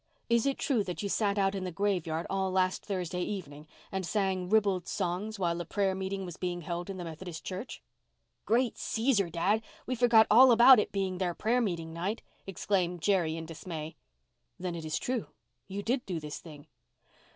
Is it true that you sat out in the graveyard all last Thursday evening and sang ribald songs while a prayer meeting was being held in the Methodist church?" "Great Caesar, Dad, we forgot all about it being their prayer meeting night," exclaimed Jerry in dismay. "Then it is true—you did do this thing?"